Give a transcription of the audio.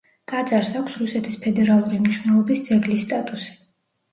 ტაძარს აქვს რუსეთის ფედერალური მნიშვნელობის ძეგლის სტატუსი.